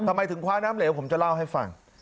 ทำไมถึงคว้าน้ำเหลวผมจะเล่าให้ฟัง